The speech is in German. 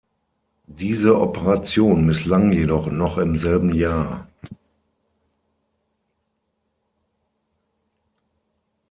Diese Operation misslang jedoch noch im selben Jahr.